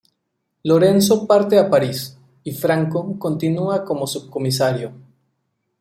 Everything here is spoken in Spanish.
Lorenzo parte a París y Franco continua como subcomisario.